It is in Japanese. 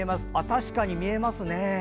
確かに見えますね。